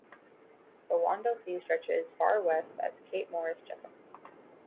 The Wandel Sea stretches as far west as Cape Morris Jesup.